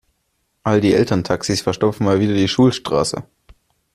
All die Elterntaxis verstopfen mal wieder die Schulstraße.